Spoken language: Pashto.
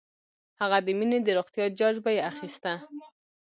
هغه د مينې د روغتيا جاج به یې اخيسته